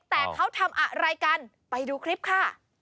แต่เขาทำอะไรกันไปดูคลิปค่ะ